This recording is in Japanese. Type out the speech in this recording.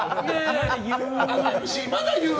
まだ言う！